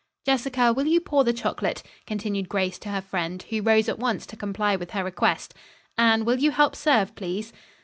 "Jessica, will you pour the chocolate?" continued Grace to her friend, who rose at once to comply with her request. "Anne, will you help serve, please?"